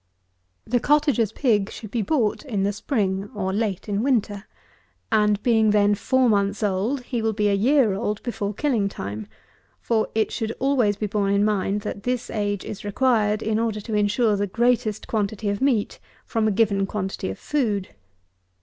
145. The cottager's pig should be bought in the spring, or late in winter; and being then four months old, he will be a year old before killing time; for it should always be borne in mind, that this age is required in order to insure the greatest quantity of meat from a given quantity of food.